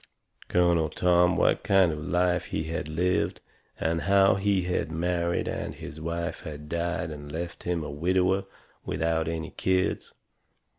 Colonel Tom what kind of a life he had lived, and how he had married and his wife had died and left him a widower without any kids.